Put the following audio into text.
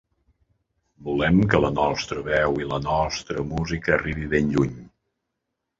Volem que la nostra veu i la nostra música arribi ben lluny.